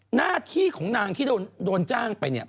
หน้าที่ของนางที่โดนจ้างไปเนี่ย